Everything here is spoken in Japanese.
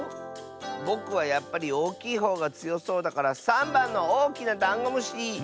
ぼくはやっぱりおおきいほうがつよそうだから３ばんのおおきなダンゴムシ！